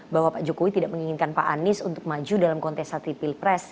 bahwa pak jokowi tidak menginginkan pak anies untuk maju dalam kontestasi pilpres